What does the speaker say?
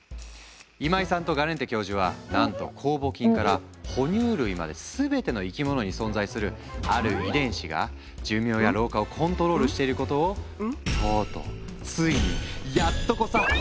今井さんとガレンテ教授はなんと酵母菌から哺乳類まで全ての生き物に存在するある遺伝子が寿命や老化をコントロールしていることをとうとうついにやっとこさ発見したんだ。